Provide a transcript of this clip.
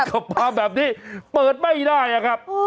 ขับมาแบบนี้เปิดไม่ได้อะครับ